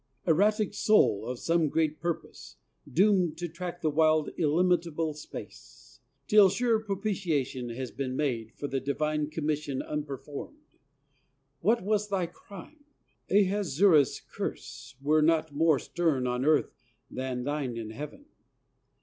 Erratic Soul of some great Purpose, doomed To track the wild illimitable space, Till sure propitiation has been made For the divine commission unperformed! What was thy crime? Ahasuerus' curse Were not more stern on earth than thine in Heaven!